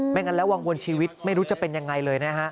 งั้นแล้ววังวนชีวิตไม่รู้จะเป็นยังไงเลยนะฮะ